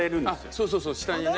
そうそうそう下にね。